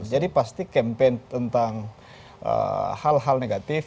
jadi pasti campaign tentang hal hal negatif